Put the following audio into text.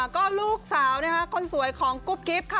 ก็ลูกสาวนะคะคนสวยของกุ๊บกิ๊บค่ะ